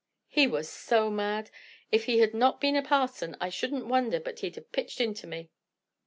He was so mad! If he had not been a parson, I shouldn't wonder but he'd have pitched into me."